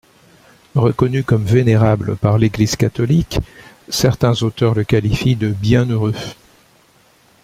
Reconnu comme vénérable par l'Église catholique, certains auteurs le qualifient de bienheureux.